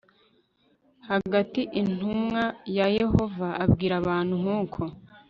hagayi intumwae ya yehova abwira abantu nk uko